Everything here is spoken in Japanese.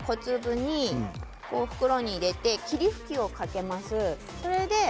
袋に入れて霧吹きをかけます。